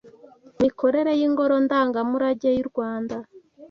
imikorere y’ingoro ndangamurage y’urwanda